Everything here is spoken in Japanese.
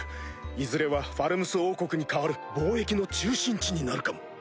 いずれはファルムス王国に代わる貿易の中心地になるかも。